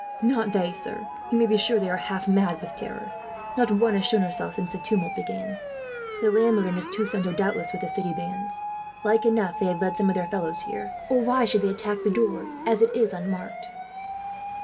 "Not they, sir. You may be sure they are half mad with terror. Not one has shown herself, since the tumult began. The landlord and his two sons are, doubtless, with the city bands. Like enough they have led some of their fellows here, or why should they attack the door, as it is unmarked?"